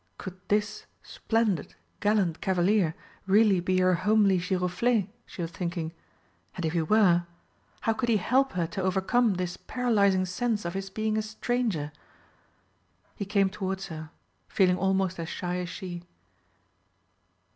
Could this splendid gallant cavalier really be her homely Giroflé? she was thinking, and if he were, how could he help her to overcome this paralysing sense of his being a stranger? He came towards her, feeling almost as shy as she.